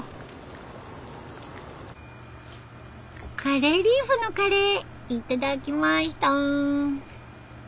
カレーリーフのカレー頂きました。